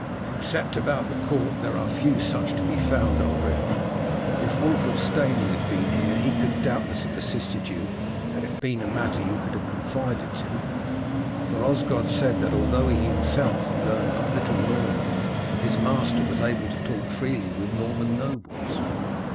"Except about the court there are few such to be found, Ulred. If Wulf of Steyning had been here he could doubtless have assisted you had it been a matter you could have confided to him; for Osgod said that although he himself had learned but little Norman his master was able to talk freely with the Norman nobles."